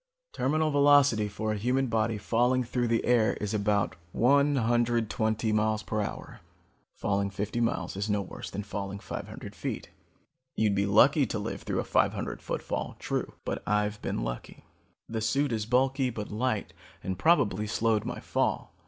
Terminal velocity for a human body falling through air is about one hundred twenty m.p.h. Falling fifty miles is no worse than falling five hundred feet. You'd be lucky to live through a five hundred foot fall, true, but I've been lucky. The suit is bulky but light and probably slowed my fall.